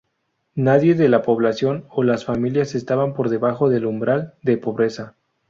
Nadie de la población o las familias estaban por debajo del umbral de pobreza.